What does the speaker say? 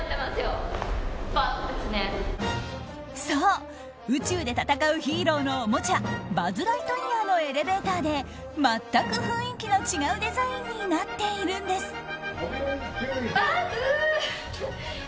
そう、宇宙で戦うヒーローのおもちゃバズ・ライトイヤーのエレベーターでまったく雰囲気の違うデザインになっているんです。